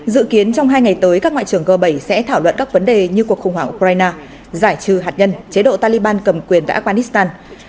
dự kiến trong hai ngày tới các ngoại trưởng g bảy sẽ thảo luận các vấn đề như cuộc khủng hoảng ukraine giải trừ hạt nhân chế độ taliban cầm quyền tại afghanistan